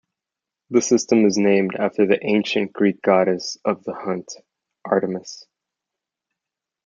The system is named after the ancient Greek goddess of the hunt, Artemis.